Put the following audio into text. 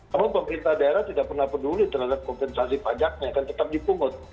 namun pemerintah daerah tidak pernah peduli terhadap kompensasi pajaknya akan tetap dipungut